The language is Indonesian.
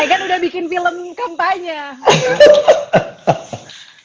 ya kan udah bikin film kampanye